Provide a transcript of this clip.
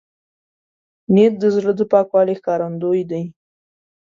نیت د زړه د پاکوالي ښکارندوی دی.